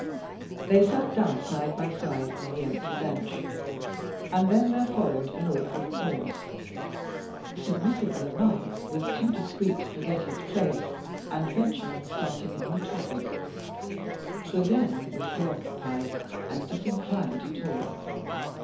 They sat down, side by side, on the empty bench; and then there followed an awkward pause. Submissive Lomaque was too discreet to forget his place, and venture on starting a new topic. Trudaine was preoccupied, and disinclined to talk.